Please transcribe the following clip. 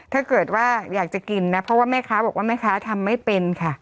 ถ้าเกิดว่าอยากจะกินนะเพราะว่าแม่ค้าบอกว่าแม่ค้าทำไม่เป็นค่ะ